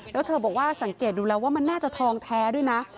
แล้วเธอบอกว่าสังเกตดูแล้วว่ามันน่าจะทองแท้ด้วยนะ